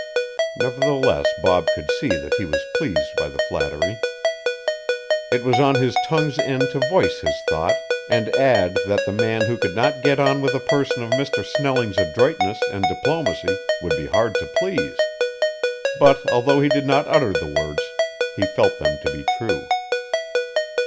Nevertheless Bob could see that he was pleased by the flattery. It was on his tongue's end to voice his thought and add that the man who could not get on with a person of Mr. Snelling's adroitness and diplomacy would be hard to please; but although he did not utter the words he felt them to be true.